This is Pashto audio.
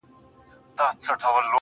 مار په خندا کي له ښامار سره خبرې کوي~